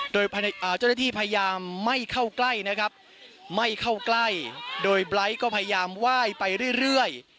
โดยเจ้าหน้าที่พยายามไม่เข้าใกล้นะครับไม่เข้าใกล้โดยไบร์ทก็พยายามไหว้ไปเรื่อย